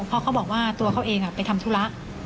เพราะเขาบอกว่าตัวเขาเองไปทำธุระ